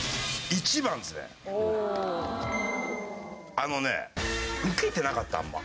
あのねウケてなかったあんま。